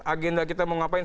agenda kita mau ngapain